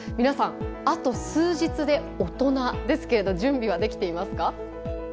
皆さんあと数日で大人ですけれど準備はできていますか？